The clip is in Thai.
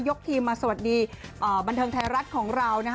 ทีมมาสวัสดีบันเทิงไทยรัฐของเรานะคะ